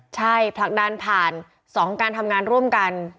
ใช่ผลักดันผ่าน๒การทำงานร่วมกัน